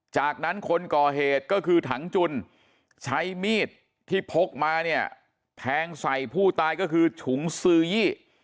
จากนั้นคนก่อเหตุก็คือถังจุนใช้มีดที่พกมาเนี่ยแทงใส่ผู้ตายก็คือฉุงซื้อยี่